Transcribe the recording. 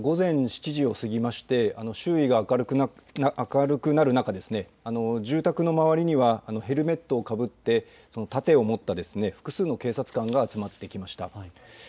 午前７時を過ぎまして周囲は明るくなる中で住宅の周りにはヘルメットをかぶって盾を持った複数の警察官が集まってきました。